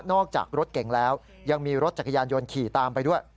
จากรถเก่งแล้วยังมีรถจักรยานยนต์ขี่ตามไปด้วย